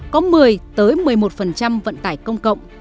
có một mươi một mươi một vận tải công cộng